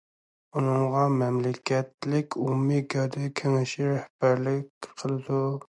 ئۇنىڭغا مەملىكەتلىك ئومۇمىي گەۋدە كېڭىشى رەھبەرلىك قىلىدۇ.